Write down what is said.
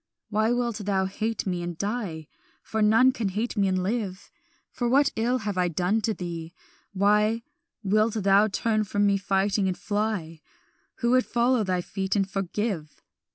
"Why wilt thou hate me and die? For none can hate me and live. What ill have I done to thee? why Wilt thou turn from me fighting, and fly, Who would follow thy feet and forgive?